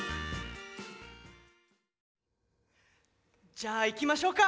じゃあ行きましょうか。